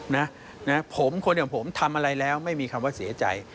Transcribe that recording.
นะนะผมคนอย่างผมทำอะไรแล้วไม่มีคำว่าเสียใจ